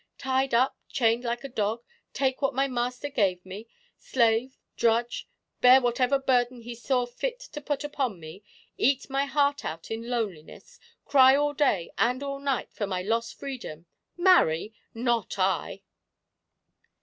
Tied up chained like a dog take what my master gave me slave drudge bear whatever burden he saw fit to put upon me eat my heart out in loneliness cry all day and all night for my lost freedom. Marry? Not I!"